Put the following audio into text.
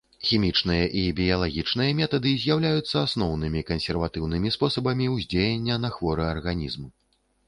Хімічныя і біялагічныя метады з'яўляюцца асноўнымі кансерватыўнымі спосабамі ўздзеяння на хворы арганізм.